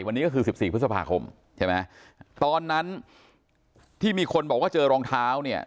วันนี้ก็คือสิบสี่พฤษภาคมใช่ไหมตอนนั้นที่มีคนบอกว่าเจอรองเท้าเนี่ย